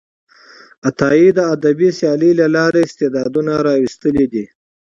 عطایي د ادبي سیالۍ له لارې استعدادونه راویستلي دي.